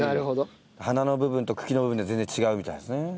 花の部分と茎の部分で全然違うみたいですね。